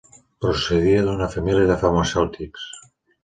Procedia d'una família de farmacèutics.